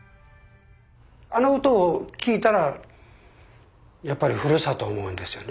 あの歌を聴いたらやっぱりふるさとを思うんですよね。